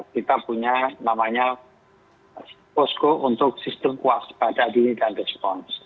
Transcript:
kita punya namanya posko untuk sistem kuas pada diri dan respons